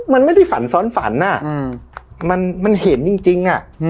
มันไม่ได้ฝันซ้อนฝันมันเห็นจริง